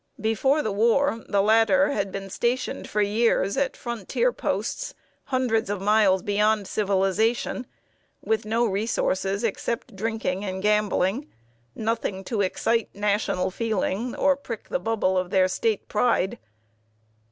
Before the war, the latter had been stationed for years at frontier posts, hundreds of miles beyond civilization, with no resources except drinking and gambling, nothing to excite National feeling or prick the bubble of their State pride.